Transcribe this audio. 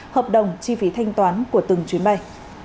hợp đồng chi phí thanh toán của từng chuyến bay